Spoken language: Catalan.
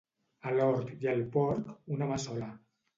A l'hort i al porc, una mà sola.